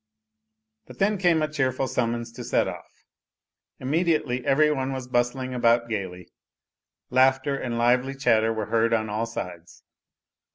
But then came a cheerful summons to set off; immediately every one was bustling about gaily; laughter and lively chatter were heard on all sides.